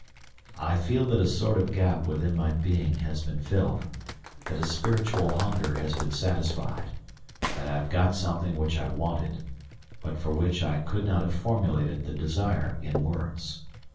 I feel that a sort of gap within my being has been filled, that a spiritual hunger has been satisfied, that I have got something which I wanted, but for which I could not have formulated the desire in words.